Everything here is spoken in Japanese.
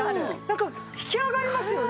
なんか引き上がりますよね。